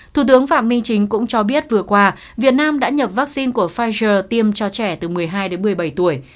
thủ tướng phạm minh chính cũng cho biết vừa qua việt nam đã nhập vaccine của pfizer tiêm cho trẻ từ một mươi hai đến một mươi bảy tuổi